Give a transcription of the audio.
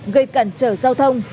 gây cản trở giao thông